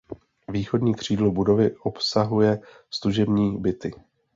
Východní křídlo budovy obsahuje služební byty.